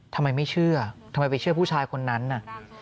ทำไมไม่เชื่อทำไมไปเชื่อผู้ชายคนนั้นน่ะ